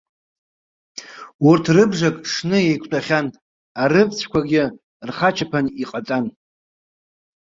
Урҭ рыбжак шны еиқәтәахьан, арыԥҵәқәагьы рхачаԥан иҟаҵан.